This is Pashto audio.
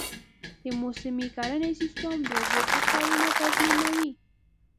د موسمي کرنې سیستم د اوبو ښه کارونه تضمینوي.